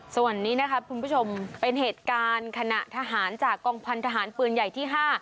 ส่วนนี้นะครับคุณผู้ชมเป็นเหตุการณ์ขณะทหารจากกองพันธหารปืนใหญ่ที่๕